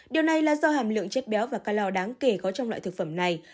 điều này là do hàm lượng chất béo và ca lo đáng kể có trong loại thực phẩm này